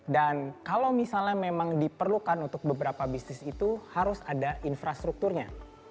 dan kalau misalnya memang diperlukan untuk beberapa bisnis itu harus ada infrastrukturnya